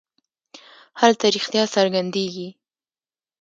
هلته رښتیا څرګندېږي.